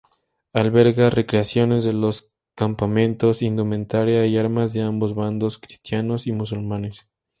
Alberga recreaciones de los campamentos, indumentaria y armas de ambos bandos, cristianos y musulmanes.